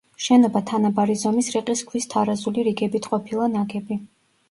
შენობა თანაბარი ზომის რიყის ქვის თარაზული რიგებით ყოფილა ნაგები.